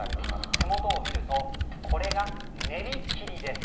手元を見るとこれが練り切りです。